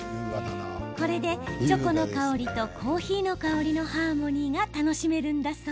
これで、チョコの香りとコーヒーの香りのハーモニーが楽しめるんだそう。